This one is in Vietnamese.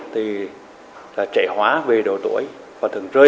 thì là trẻ tuổi thì là trẻ tuổi thì là trẻ tuổi